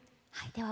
はい。